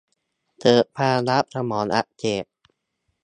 เกิดภาวะสมองอักเสบ